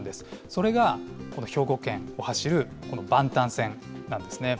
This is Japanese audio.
それが、この兵庫県を走る、この播但線なんですね。